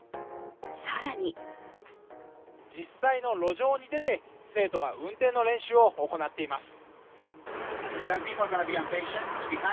更に実際の路上に出て生徒が運転の練習を行っています。